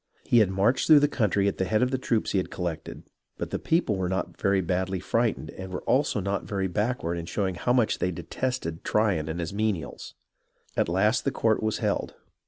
He had marched through the country at the head of the troops he had collected, but the people were not very badly frightened and were also not very back ward in showing how much they detested Tryon and his menials. At last the court was held.